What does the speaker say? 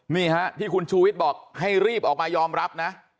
นี่ฮะที่คุณชูวิทย์บอกให้รีบออกมายอมรับนะ